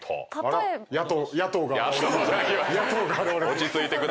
落ち着いてくださいよ。